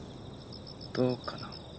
どうかなあ。